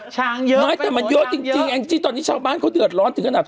ช้างเยอะไม่มันเยอะจริงตอนนี้เขาเดือดร้อนจนสักตั้งไหร่